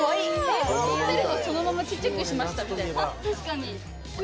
売ってるのをそのまま小っちゃくしましたみたいな。